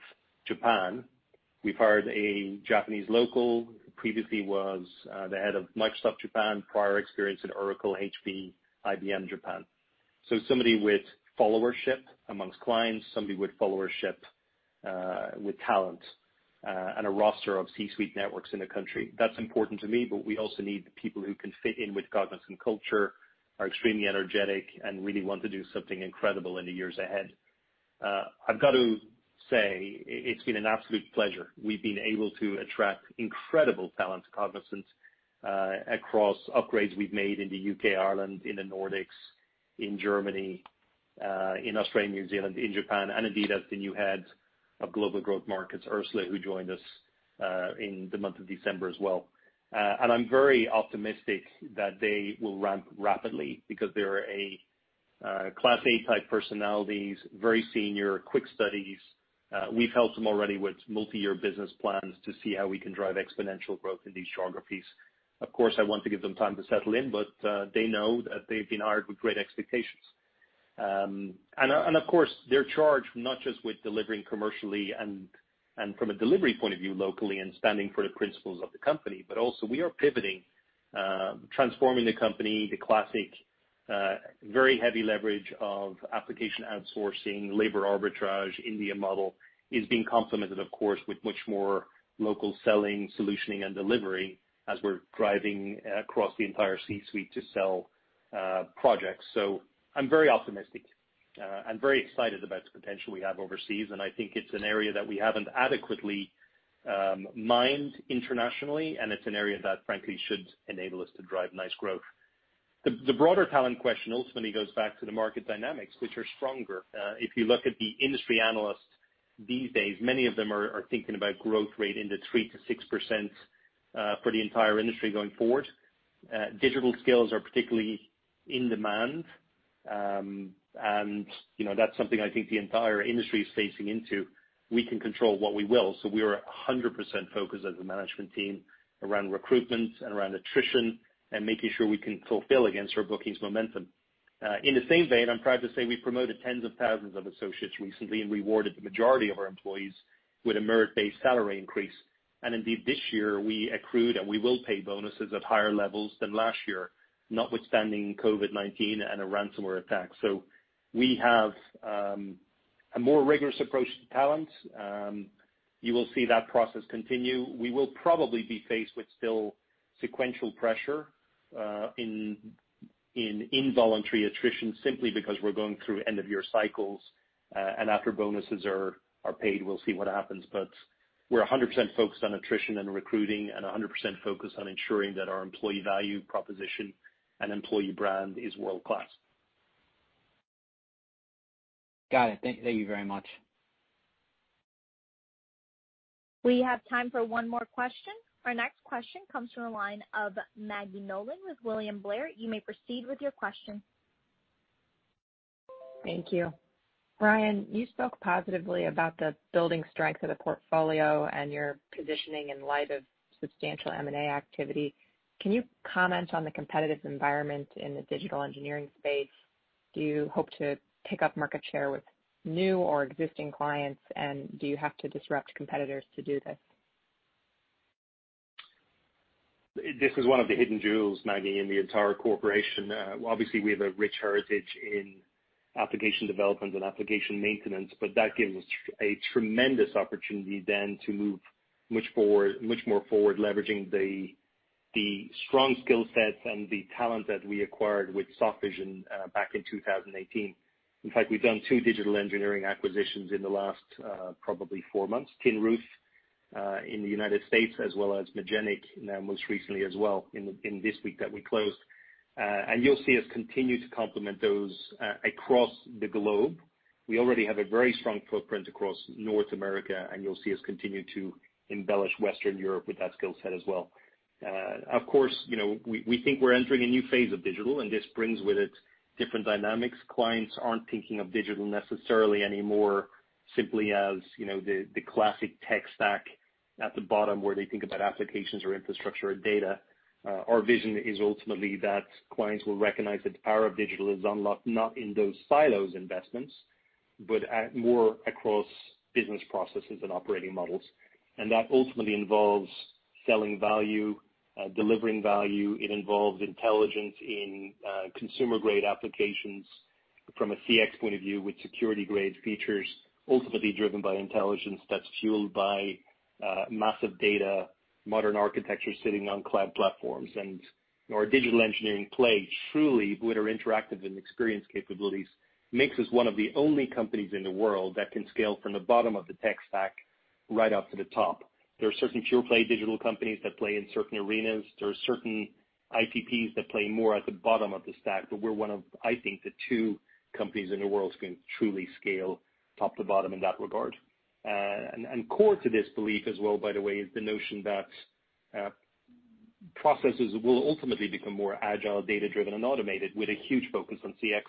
Japan. We've hired a Japanese local who previously was the head of Microsoft Japan, prior experience in Oracle, HP, IBM Japan. Somebody with followership amongst clients, somebody with followership with talent, and a roster of C-suite networks in the country. That's important to me, but we also need people who can fit in with Cognizant culture, are extremely energetic, and really want to do something incredible in the years ahead. I've got to say, it's been an absolute pleasure. We've been able to attract incredible talent to Cognizant across upgrades we've made in the U.K., Ireland, in the Nordics, in Germany, in Australia, New Zealand, in Japan, and indeed, as the new head of Global Growth Markets, Ursula, who joined us in the month of December as well. I'm very optimistic that they will ramp rapidly because they are class A type personalities, very senior, quick studies. We've helped them already with multi-year business plans to see how we can drive exponential growth in these geographies. Of course, I want to give them time to settle in, but they know that they've been hired with great expectations. Of course, they're charged not just with delivering commercially and from a delivery point of view locally and standing for the principles of the company, but also we are pivoting, transforming the company, the classic very heavy leverage of application outsourcing, labor arbitrage, India model is being complemented, of course, with much more local selling, solutioning, and delivery as we're driving across the entire C-suite to sell projects. I'm very optimistic. I'm very excited about the potential we have overseas, and I think it's an area that we haven't adequately mined internationally, and it's an area that frankly should enable us to drive nice growth. The broader talent question ultimately goes back to the market dynamics, which are stronger. If you look at the industry analysts these days, many of them are thinking about growth rate in the 3%-6% for the entire industry going forward. Digital skills are particularly in demand. That's something I think the entire industry is facing into. We can control what we will. We are 100% focused as a management team around recruitment and around attrition and making sure we can fulfill against our bookings momentum. In the same vein, I'm proud to say we promoted tens of thousands of associates recently and rewarded the majority of our employees with a merit-based salary increase. Indeed, this year, we accrued and we will pay bonuses at higher levels than last year, notwithstanding COVID-19 and a ransomware attack. We have a more rigorous approach to talent. You will see that process continue. We will probably be faced with still sequential pressure in involuntary attrition simply because we're going through end-of-year cycles. After bonuses are paid, we'll see what happens. We're 100% focused on attrition and recruiting and 100% focused on ensuring that our employee value proposition and employee brand is world-class. Got it. Thank you very much. We have time for one more question. Our next question comes from the line of Maggie Nolan with William Blair. You may proceed with your question. Thank you. Brian, you spoke positively about the building strength of the portfolio and your positioning in light of substantial M&A activity. Can you comment on the competitive environment in the digital engineering space? Do you hope to pick up market share with new or existing clients, and do you have to disrupt competitors to do this? This is one of the hidden jewels, Maggie, in the entire corporation. Obviously, we have a rich heritage in application development and application maintenance, but that gives us a tremendous opportunity then to move much more forward leveraging the strong skill sets and the talent that we acquired with Softvision back in 2018. In fact, we've done two digital engineering acquisitions in the last probably four months, Tin Roof in the United States as well as Magenic most recently as well in this week that we closed. You'll see us continue to complement those across the globe. We already have a very strong footprint across North America, and you'll see us continue to embellish Western Europe with that skill set as well. Of course, we think we're entering a new phase of digital, and this brings with it different dynamics. Clients aren't thinking of digital necessarily anymore simply as the classic tech stack at the bottom where they think about applications or infrastructure or data. Our vision is ultimately that clients will recognize that the power of digital is unlocked, not in those silos investments, but more across business processes and operating models. That ultimately involves selling value, delivering value. It involves intelligence in consumer-grade applications from a CX point of view with security-grade features, ultimately driven by intelligence that's fueled by massive data, modern architecture sitting on cloud platforms. Our digital engineering play, truly with our interactive and experience capabilities, makes us one of the only companies in the world that can scale from the bottom of the tech stack right up to the top. There are certain pure-play digital companies that play in certain arenas. There are certain ITSPs that play more at the bottom of the stack, but we're one of, I think, the two companies in the world who can truly scale top to bottom in that regard. Core to this belief as well, by the way, is the notion that processes will ultimately become more agile, data-driven, and automated with a huge focus on CX.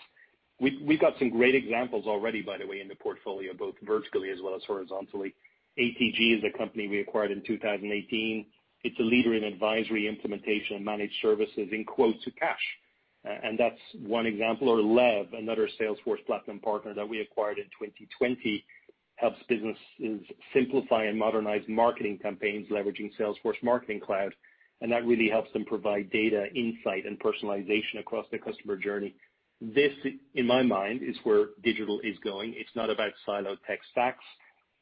We've got some great examples already, by the way, in the portfolio, both vertically as well as horizontally. ATG is a company we acquired in 2018. It's a leader in advisory implementation and managed services in quote-to-cash. That's one example. Lev, another Salesforce platinum partner that we acquired in 2020, helps businesses simplify and modernize marketing campaigns leveraging Salesforce Marketing Cloud. That really helps them provide data insight and personalization across the customer journey. This, in my mind, is where digital is going. It's not about silo tech stacks.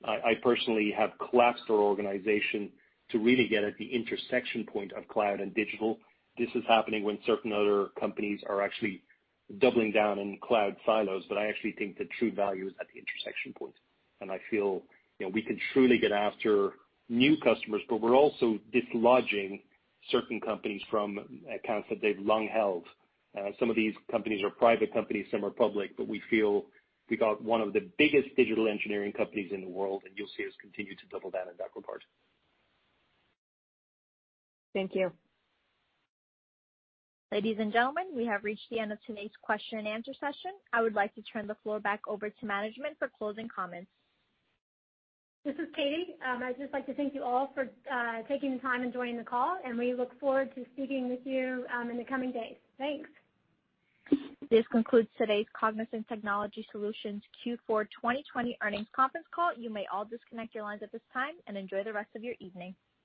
I personally have collapsed our organization to really get at the intersection point of cloud and digital. This is happening when certain other companies are actually doubling down on cloud silos, but I actually think the true value is at the intersection point. I feel we can truly get after new customers, but we're also dislodging certain companies from accounts that they've long held. Some of these companies are private companies, some are public, but we feel we got one of the biggest digital engineering companies in the world, and you'll see us continue to double down in that regard. Thank you. Ladies and gentlemen, we have reached the end of today's question and answer session. I would like to turn the floor back over to management for closing comments. This is Katie. I'd just like to thank you all for taking the time and joining the call, and we look forward to speaking with you in the coming days. Thanks. This concludes today's Cognizant Technology Solutions's Q4 2020 Earnings Conference Call. You may all disconnect your lines at this time, and enjoy the rest of your evening.